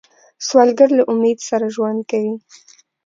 سوالګر له امید سره ژوند کوي